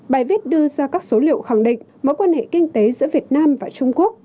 bài viết đưa ra các số liệu khẳng định mối quan hệ kinh tế giữa việt nam và trung quốc